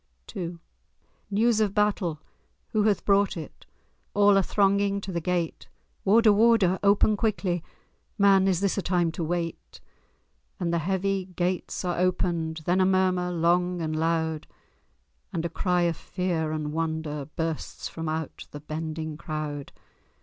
II News of battle! Who hath brought it? All are thronging to the gate; "Warder—warder! open quickly! Man—is this a time to wait?" And the heavy gates are opened; Then a murmur long and loud, And a cry of fear and wonder Bursts from out the bending crowd.